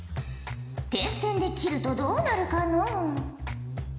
点線で切るとどうなるかのう？